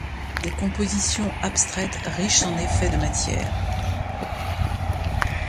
Des compositions abstraites riches en effets de matières.